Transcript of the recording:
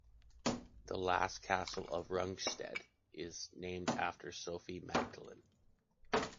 The last castle of Rungsted is named after Sophie Magdalene.